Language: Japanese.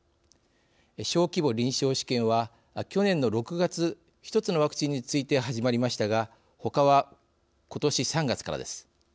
小規模臨床試験は、去年の６月一つのワクチンについて始まりましたがほかは、ことし３月からです。